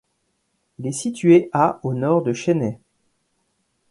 Il est situé à au nord de Chennai.